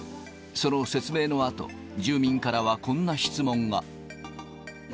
その説明のあと、住民からはこんな質問が。